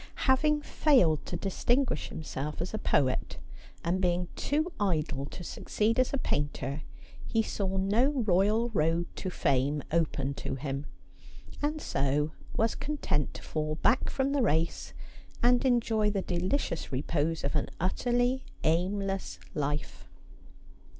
Having failed to distinguish himself as a poet, and being too idle to succeed as a painter, he saw no roj al road to fame open to him ; and so was content to fall back from the race, and enjoy the delicious repose of an utterly aim less life.